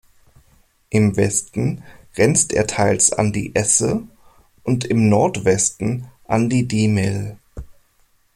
Im Westen grenzt er teils an die Esse und im Nordwesten an die Diemel.